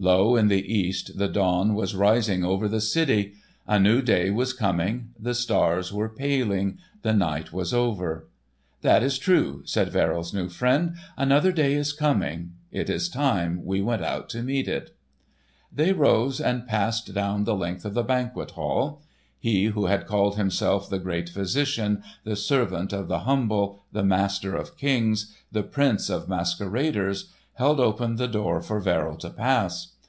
Low in the east, the dawn was rising over the city. A new day was coming; the stars were paling, the night was over. "That is true," said Verrill's new friend. "Another day is coming. It is time we went out to meet it." They rose and passed down the length of the Banquet Hall. He who had called himself the great Physician, the Servant of the Humble, the Master of Kings, the Prince of Masqueraders, held open the door for Verrill to pass.